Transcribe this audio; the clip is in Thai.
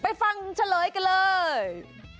ไปฟังเฉลยกันเลย